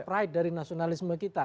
pride dari nasionalisme kita